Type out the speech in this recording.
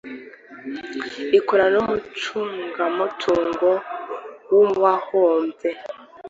ikorana n umucungamutungo w uwahombye